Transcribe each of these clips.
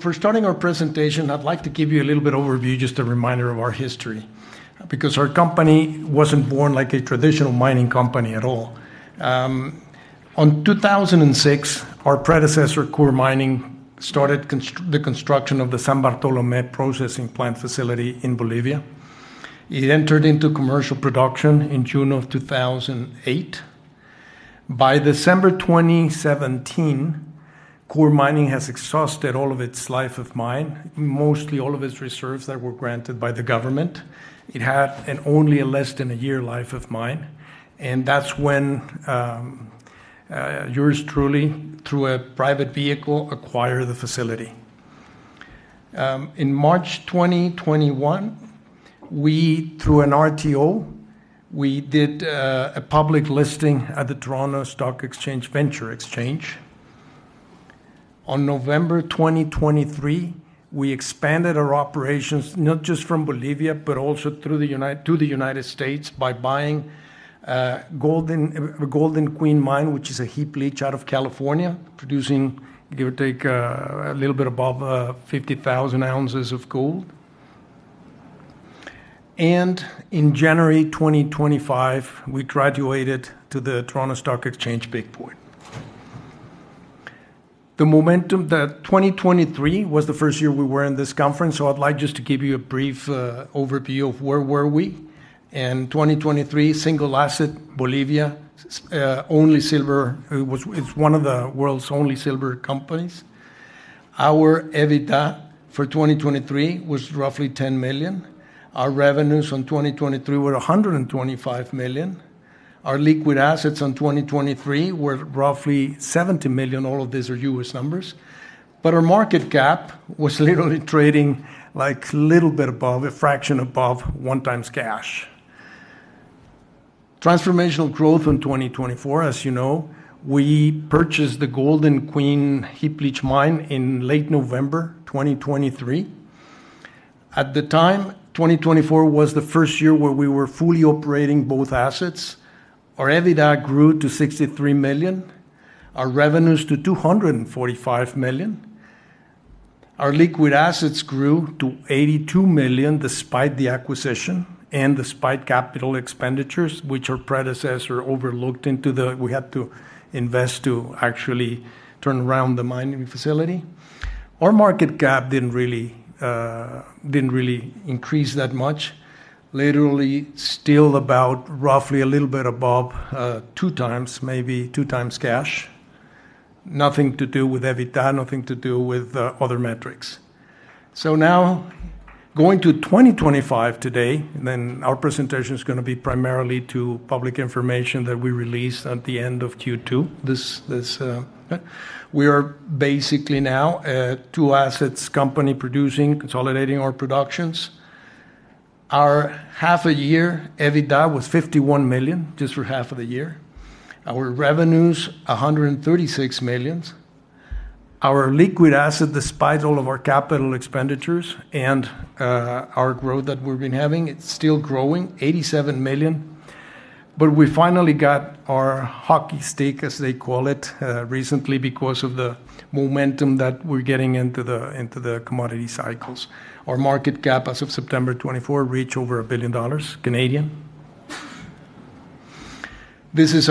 For starting our presentation, I'd like to give you a little bit of overview, just a reminder of our history, because our company wasn't born like a traditional mining company at all. In 2006, our predecessor, Coeur Mining, started the construction of the San Bartolomé processing facility in Bolivia. It entered into commercial production in June of 2008. By December 2017, Coeur Mining has exhausted all of its life of mine, mostly all of its reserves that were granted by the government. It had only a less than a year life of mine, and that's when yours truly, through a private vehicle, acquired the facility. In March 2021, we, through an RTO, did a public listing at the TSX Venture Exchange. In November 2023, we expanded our operations, not just from Bolivia, but also to the United States, by buying Golden Queen Mine, which is a heap leach out of California, producing, give or take, a little bit above 50,000 ounces of gold. In January 2025, we graduated to the Toronto Stock Exchange Big Four. The momentum that 2023 was the first year we were in this conference, so I'd like just to give you a brief overview of where we were. In 2023, single asset, Bolivia, only silver. It's one of the world's only silver companies. Our EBITDA for 2023 was roughly $10 million. Our revenues in 2023 were $125 million. Our liquid assets in 2023 were roughly $70 million. All of these are US numbers. Our market cap was literally trading like a little bit above, a fraction above one times cash. Transformational growth in 2024, as you know, we purchased the Golden Queen heap leach mine in late November 2023. At the time, 2024 was the first year where we were fully operating both assets. Our EBITDA grew to $63 million. Our revenues to $245 million. Our liquid assets grew to $82 million despite the acquisition and despite capital expenditures, which our predecessor overlooked until we had to invest to actually turn around the mining facility. Our market cap didn't really increase that much, literally still about roughly a little bit above two times, maybe two times cash. Nothing to do with EBITDA, nothing to do with other metrics. Now, going to 2025 today, our presentation is going to be primarily to public information that we release at the end of Q2. We are basically now a two-asset company producing, consolidating our productions. Our half a year EBITDA was $51 million, just for half of the year. Our revenues, $136 million. Our liquid assets, despite all of our capital expenditures and our growth that we've been having, it's still growing, $87 million. We finally got our hockey stick, as they call it, recently because of the momentum that we're getting into the commodity cycles. Our market cap as of September 24 reached over $1 billion Canadian. This is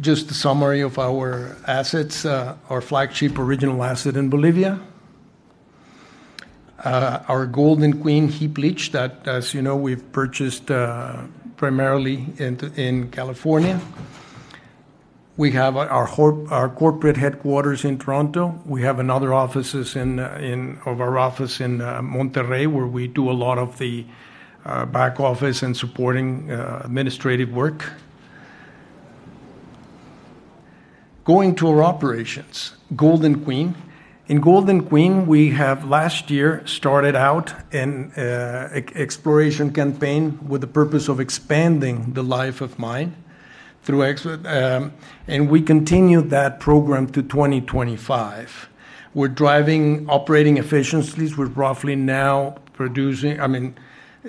just a summary of our assets, our flagship original asset in Bolivia, our Golden Queen heap leach that, as you know, we've purchased primarily in California. We have our corporate headquarters in Toronto. We have another office in Monterrey where we do a lot of the back office and supporting administrative work. Going to our operations, Golden Queen. In Golden Queen, we have last year started out an exploration campaign with the purpose of expanding the life of mine. We continued that program to 2025. We're driving operating efficiencies. We're roughly now producing, I mean,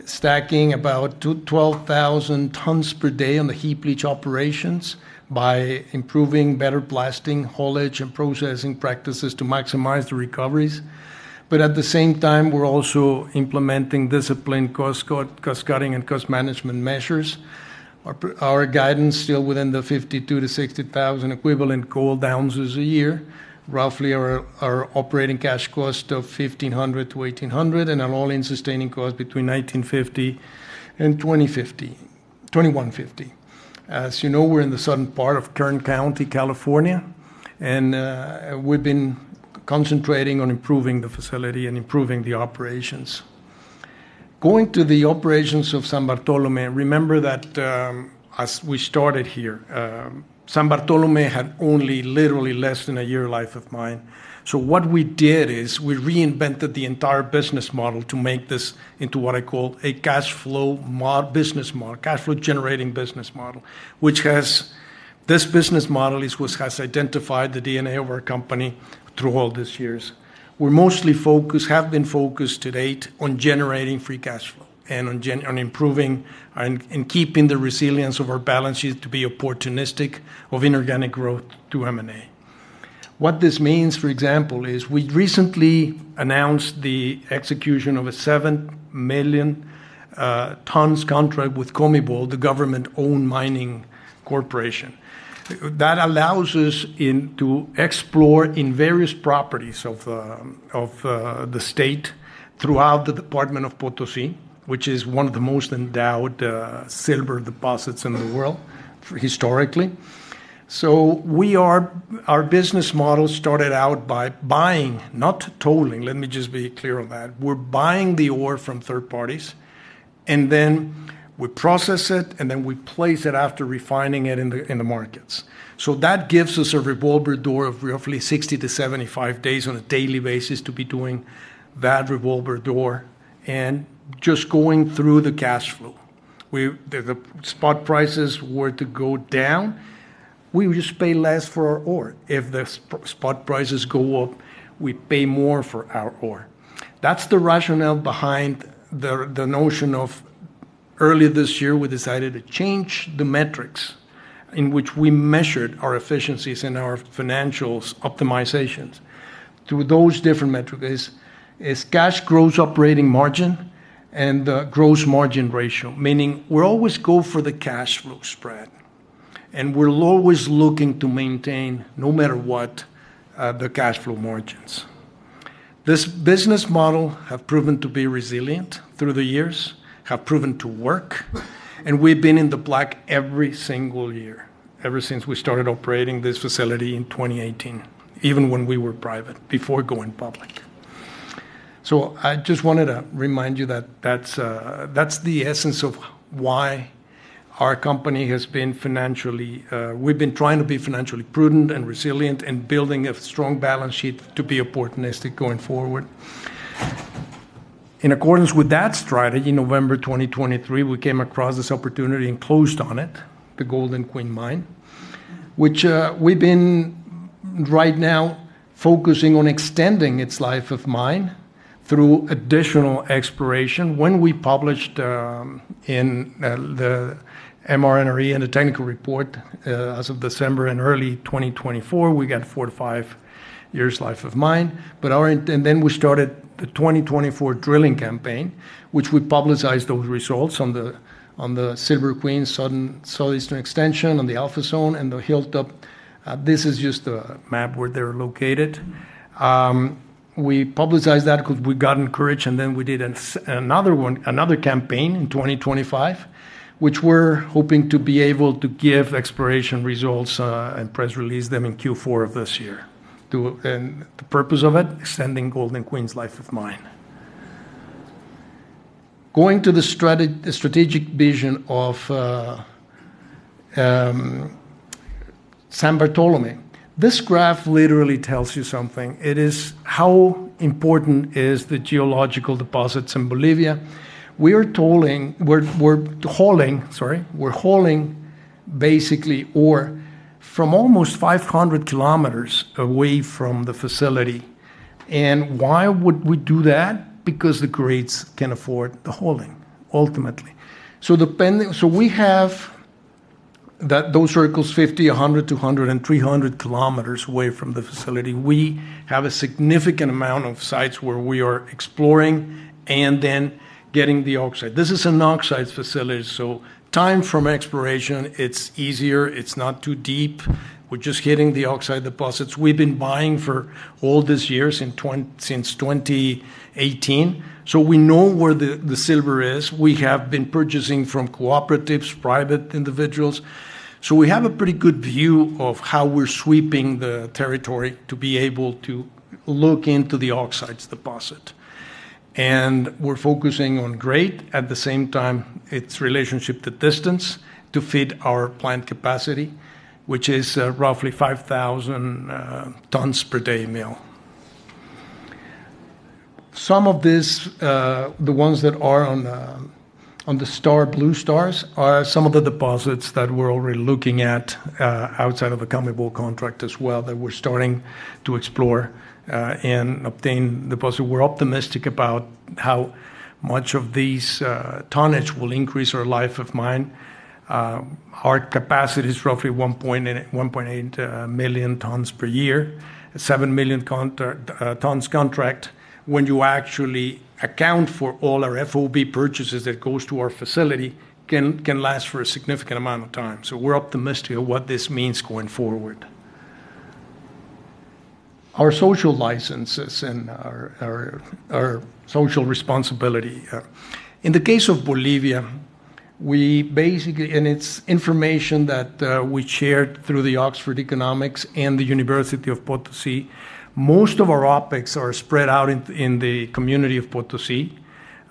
stacking about 12,000 tons per day on the heap leach operations by improving better blasting, haulage, and processing practices to maximize the recoveries. At the same time, we're also implementing disciplined cost cutting and cost management measures. Our guidance is still within the 52,000 to 60,000 equivalent gold ounces a year. Roughly, our operating cash cost of $1,500 to $1,800 and an all-in sustaining cost between $1,950 and $2,150. As you know, we're in the southern part of Kern County, California, and we've been concentrating on improving the facility and improving the operations. Going to the operations of San Bartolomé, remember that as we started here, San Bartolomé had only literally less than a year life of mine. What we did is we reinvented the entire business model to make this into what I call a cash flow business model, cash flow generating business model, which has this business model which has identified the DNA of our company through all these years. We're mostly focused, have been focused to date on generating free cash flow and on improving and keeping the resilience of our balance sheet to be opportunistic of inorganic growth to M&A. What this means, for example, is we recently announced the execution of a 7 million tons contract with Comibol, the government-owned mining corporation. That allows us to explore in various properties of the state throughout the Department of Potosí, which is one of the most endowed silver deposits in the world historically. Our business model started out by buying, not tolling. Let me just be clear on that. We're buying the ore from third parties, and then we process it, and then we place it after refining it in the markets. That gives us a revolver door of roughly 60 to 75 days on a daily basis to be doing that revolver door and just going through the cash flow. If the spot prices were to go down, we would just pay less for our ore. If the spot prices go up, we'd pay more for our ore. That's the rationale behind the notion of earlier this year, we decided to change the metrics in which we measured our efficiencies and our financial optimizations to those different metrics. It's cash gross operating margin and the gross margin ratio, meaning we'll always go for the cash flow spread, and we're always looking to maintain no matter what the cash flow margins. This business model has proven to be resilient through the years, has proven to work, and we've been in the black every single year, ever since we started operating this facility in 2018, even when we were private before going public. I just wanted to remind you that that's the essence of why our company has been financially, we've been trying to be financially prudent and resilient and building a strong balance sheet to be opportunistic going forward. In accordance with that strategy, in November 2023, we came across this opportunity and closed on it, the Golden Queen Mine, which we've been right now focusing on extending its life of mine through additional exploration. When we published in the MRNRE and the technical report as of December and early 2024, we got four to five years life of mine. We started the 2024 drilling campaign, which we publicized those results on the Silver Queen Southeastern Extension, on the Alpha Zone, and the Hilltop. This is just a map where they're located. We publicized that because we got encouraged, and then we did another one, another campaign in 2025, which we're hoping to be able to give exploration results and press release them in Q4 of this year. The purpose of it is extending Golden Queen's life of mine. Going to the strategic vision of San Bartolomé, this graph literally tells you something. It is how important the geological deposits in Bolivia. We are hauling, sorry, we're basically ore from almost 500 kilometers away from the facility. Why would we do that? Because the grades can afford the hauling, ultimately. We have those circles, 50, 100, 200, and 300 kilometers away from the facility. We have a significant amount of sites where we are exploring and then getting the oxide. This is an oxide facility. Time from exploration, it's easier. It's not too deep. We're just hitting the oxide deposits. We've been buying for all these years since 2018. We know where the silver is. We have been purchasing from cooperatives, private individuals. We have a pretty good view of how we're sweeping the territory to be able to look into the oxides deposit. We're focusing on grade. At the same time, it's relationship to distance to feed our plant capacity, which is roughly 5,000 tons per day mill. Some of these, the ones that are on the blue stars, are some of the deposits that we're already looking at outside of the Comibol contract as well that we're starting to explore and obtain deposit. We're optimistic about how much of these tonnage will increase our life of mine. Our capacity is roughly 1.8 million tons per year, a 7 million tons contract. When you actually account for all our FOB purchases that go to our facility, it can last for a significant amount of time. We're optimistic of what this means going forward. Our social licenses and our social responsibility. In the case of Bolivia, we basically, and it's information that we shared through Oxford Economics and the University of Potosí, most of our OpEx are spread out in the community of Potosí.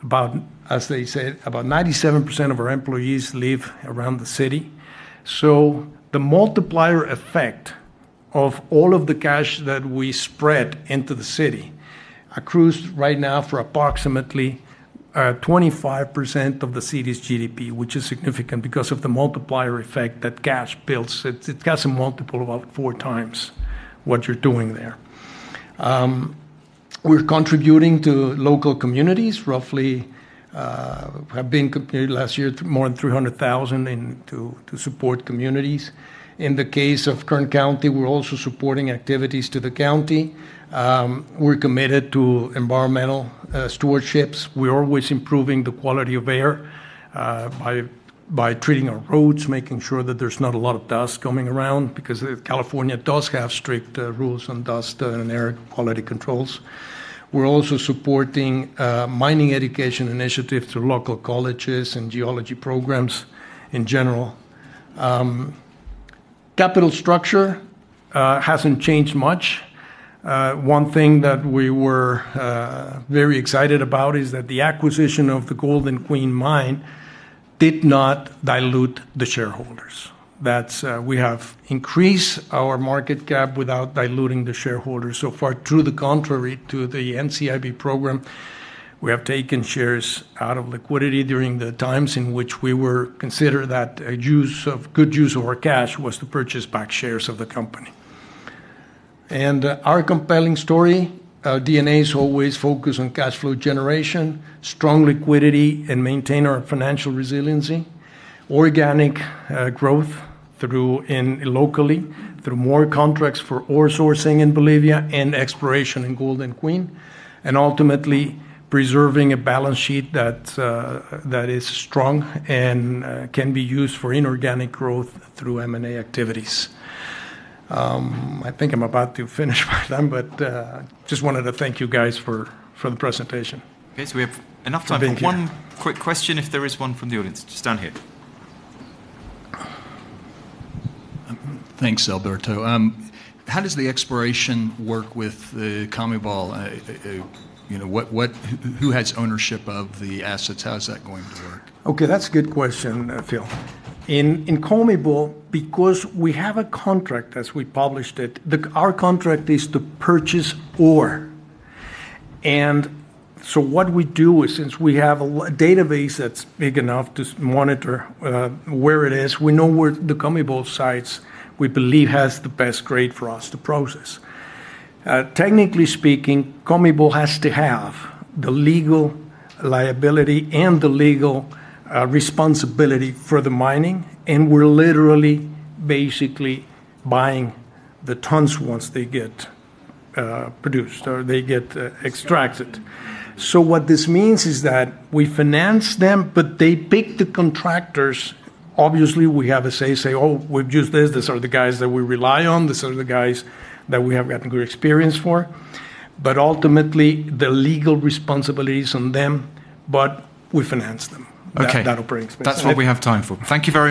About, as they said, about 97% of our employees live around the city. The multiplier effect of all of the cash that we spread into the city accrues right now for approximately 25% of the city's GDP, which is significant because of the multiplier effect that cash builds. It's got a multiple of about four times what you're doing there. We're contributing to local communities. Roughly, we have been last year more than $300,000 to support communities. In the case of Kern County, we're also supporting activities to the county. We're committed to environmental stewardship. We're always improving the quality of air by treating our roads, making sure that there's not a lot of dust coming around because California does have strict rules on dust and air quality controls. We're also supporting mining education initiatives through local colleges and geology programs in general. Capital structure hasn't changed much. One thing that we were very excited about is that the acquisition of the Golden Queen Mine did not dilute the shareholders. We have increased our market cap without diluting the shareholders so far. To the contrary, through the NCIB program, we have taken shares out of liquidity during the times in which we considered that a good use of our cash was to purchase back shares of the company. Our compelling story, our DNA is always focused on cash flow generation, strong liquidity, and maintaining our financial resiliency, organic growth locally through more contracts for ore sourcing in Bolivia and exploration in Golden Queen, and ultimately preserving a balance sheet that is strong and can be used for inorganic growth through M&A activities. I think I'm about to finish my time, but I just wanted to thank you guys for the presentation. Yes, we have enough time. One quick question, if there is one from the audience, just down here. Thanks, Alberto. How does the exploration work with Comibol? Who has ownership of the assets? How is that going to work? Okay, that's a good question, Phil. In Comibol, because we have a contract, as we published it, our contract is to purchase ore. What we do is, since we have a database that's big enough to monitor where it is, we know where the Comibol sites we believe have the best grade for us to process. Technically speaking, Comibol has to have the legal liability and the legal responsibility for the mining, and we're basically buying the tons once they get produced or they get extracted. This means that we finance them, but they pick the contractors. Obviously, we have a say, say, oh, we've used this. These are the guys that we rely on. These are the guys that we have gotten great experience for. Ultimately, the legal responsibility is on them, but we finance them. That'll bring us back. That's what we have time for. Thank you very much.